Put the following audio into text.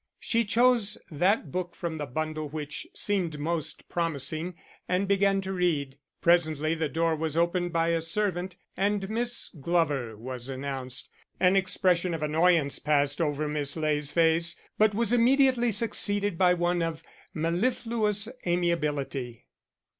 She chose that book from the bundle which seemed most promising, and began to read. Presently the door was opened by a servant, and Miss Glover was announced. An expression of annoyance passed over Miss Ley's face, but was immediately succeeded by one of mellifluous amiability.